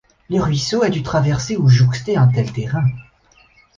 Le ruisseau a dû traverser ou jouxter un tel terrain.